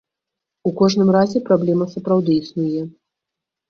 У кожным разе, праблема сапраўды існуе.